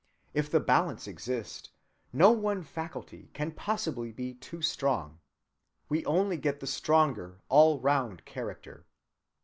If the balance exist, no one faculty can possibly be too strong—we only get the stronger all‐round character.